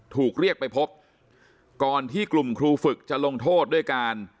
ถูกเรียกไปพบก่อนที่กลุ่มครูฝึกจะลงโทษด้วยการ